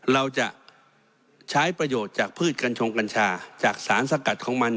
เราจะใช้ประโยชน์จากพืชกัญชงกัญชาจากสารสกัดของมัน